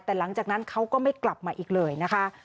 แต่หลังจากนั้นเขาก็ไม่กลับมาอีกเลยนะคะ